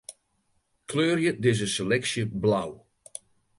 Kleurje dizze seleksje blau.